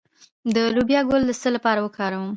د لوبیا ګل د څه لپاره وکاروم؟